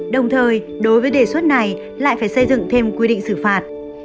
đồng thời đối với đề xuất này lại phải xây dựng thêm quy định xử phạt